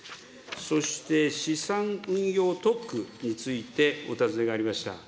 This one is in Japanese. そして資産運用特区についてお尋ねがありました。